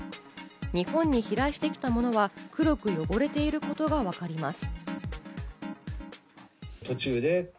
日本に飛来してきたものは、黒く汚れていることがわかります。